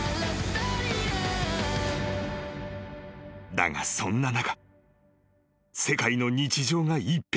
［だがそんな中］